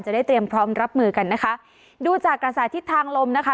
ได้เตรียมพร้อมรับมือกันนะคะดูจากกระแสทิศทางลมนะคะ